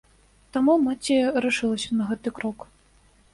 Таму маці рашыліся на гэты крок.